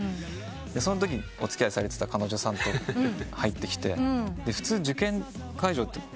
そのときお付き合いされてた彼女さんと入ってきて。